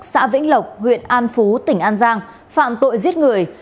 xã vĩnh lộc huyện an phú tỉnh an giang phạm tội giết người